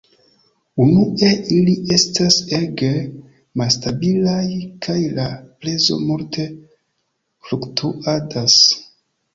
Unue, ili estas ege malstabilaj, kaj la prezo multe fluktuadas.